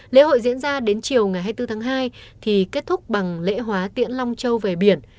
lễ hội diễn ra đến chiều ngày hai mươi bốn tháng hai thì kết thúc bằng lễ hóa tiễn long châu về biển